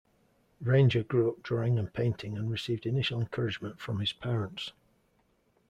Ranger grew up drawing and painting and received initial encouragement from his parents.